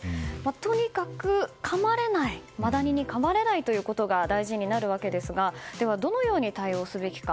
とにかくマダニにかまれないことが大事になるわけですがではどのように対応すべきか。